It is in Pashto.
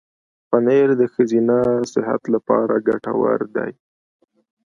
پنېر د ښځینه صحت لپاره ګټور دی.